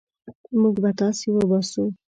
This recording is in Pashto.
موږ به تاسي وباسو.